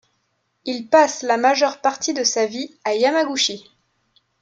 Il passe la majeure partie de sa vie à Yamaguchi.